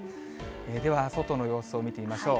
では外の様子を見てみましょう。